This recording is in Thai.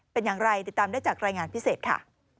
เป็นอย่างไรติดตามได้จากรายงานพิเศษค่ะ